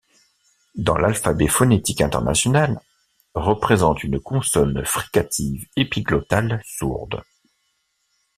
Dans l’alphabet phonétique international, représente une consonne fricative épiglottale sourde.